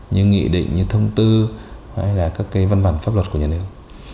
như nghị định như thông tư hay là các cái văn bản pháp luật của nhà nước